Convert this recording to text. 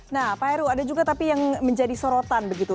nah pak heru ada juga tapi yang menjadi sorotan begitu